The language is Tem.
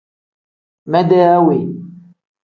Mede awe.